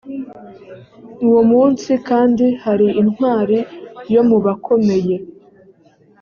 uwo munsi kandi hari intwari yo mu bakomeye